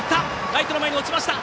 ライトの前に落ちた。